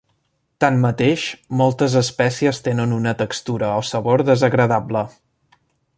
Tanmateix, moltes espècies tenen una textura o sabor desagradable.